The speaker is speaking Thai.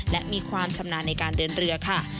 และมีความชำนาญในการเดินเรือค่ะ